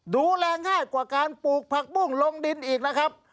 ดูแลง่ายกว่าการปลูกผักบุ้งลงดินอีกนะครับ